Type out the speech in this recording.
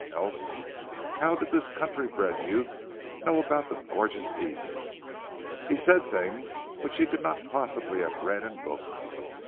Else how did this country bred youth know about the gorgeous east. He said things which he could not possibly have read in books.